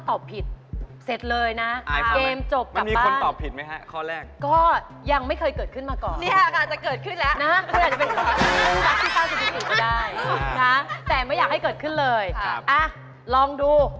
ถือว่าเป็นคำตอบหรือยัง